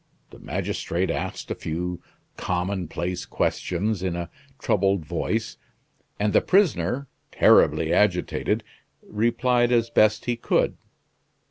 The magistrate asked a few common place questions, in a troubled voice, and the prisoner, terribly agitated, replied as best he could.